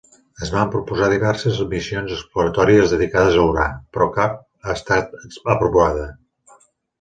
Es van proposar diverses missions exploratòries dedicades a Urà, però cap ha estat aprovada.